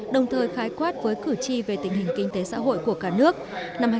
đồng thời khái quát với cử tri về tình hình kinh tế xã hội của cả nước